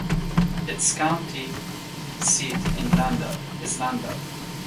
Its county seat is Lander.